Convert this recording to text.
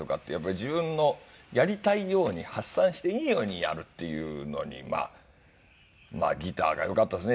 自分のやりたいように発散していいようにやるっていうのにまあギターがよかったですね。